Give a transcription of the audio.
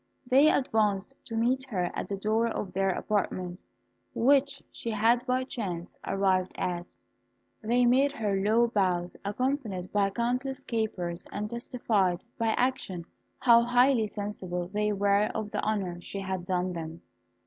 They advanced to meet her at the door of their apartment, which she had by chance arrived at. They made her low bows, accompanied by countless capers, and testified, by action, how highly sensible they were of the honour she had done them.